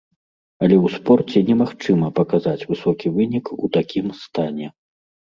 Але ў спорце немагчыма паказаць высокі вынік у такім стане.